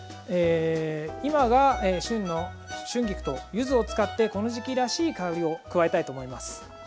今が旬の春菊と柚子を使ってこの時期らしい香りを加えたいと思います。